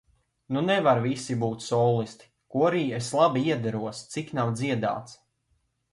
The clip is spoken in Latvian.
Nu nevar visi būt solisti, korī es labi iederos, cik nav dziedāts.